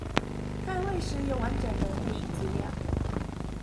開會時有完整的會議資料